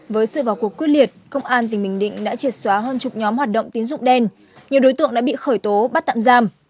với sự vào cuộc quyết liệt công an tỉnh bình định đã triệt xóa hơn chục nhóm hoạt động tín dụng đen nhiều đối tượng đã bị khởi tố bắt tạm giam